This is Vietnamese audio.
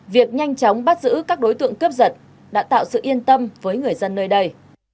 việc nhanh chóng bắt giữ các đối tượng cướp giật đã tạo sự yên tâm với người dân nơi đây